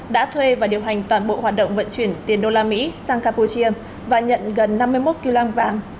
đã thuê và điều hành toàn bộ hoạt động vận chuyển tiền đô la mỹ sang campuchia và nhận gần năm mươi một kg vàng